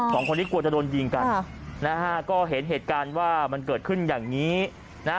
สองคนนี้กลัวจะโดนยิงกันค่ะนะฮะก็เห็นเหตุการณ์ว่ามันเกิดขึ้นอย่างนี้นะฮะ